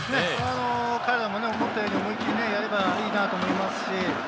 彼らが思ったように思いっきりやれればいいなと思います。